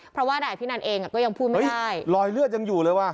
เพราะว่านายอภินันเองก็ยังพูดไม่ได้รอยเลือดยังอยู่เลยว่ะ